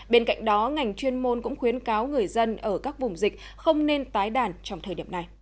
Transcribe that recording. bên cạnh đó ngành chuyên môn cũng khuyến cáo người dân ở các vùng dịch không nên tái đàn trong thời điểm này